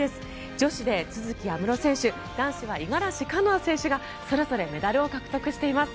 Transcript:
女子で都筑有夢路選手男子は五十嵐カノア選手がそれぞれメダルを獲得しています。